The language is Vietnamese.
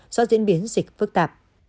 do diễn biến dịch phức tạp